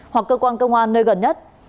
hoặc cơ quan công an nơi gần nhất